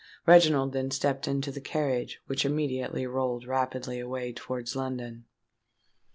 Reginald then stepped into the carriage, which immediately rolled rapidly away towards London.